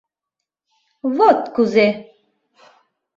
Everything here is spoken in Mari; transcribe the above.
— Вот кузе!